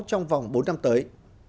trong vòng bốn năm tới